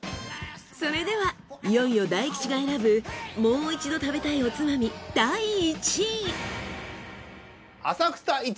それではいよいよ大吉が選ぶもう一度食べたいおつまみ第１位！